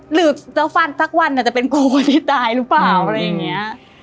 หรือจะฟันสักวันอาจจะเป็นกลัวคนที่ตายหรือเปล่าอะไรอย่างนี้